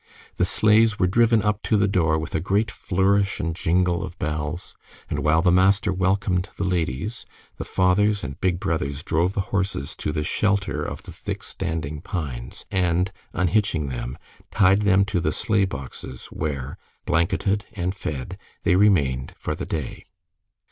The sleighs were driven up to the door with a great flourish and jingle of bells, and while the master welcomed the ladies, the fathers and big brothers drove the horses to the shelter of the thick standing pines, and unhitching them, tied them to the sleigh boxes, where, blanketed and fed, they remained for the day.